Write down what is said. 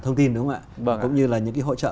thông tin đúng không ạ và cũng như là những cái hỗ trợ